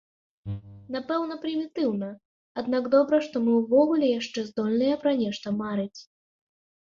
Напэўна, прымітыўна, аднак добра, што мы ўвогуле яшчэ здольныя пра нешта марыць.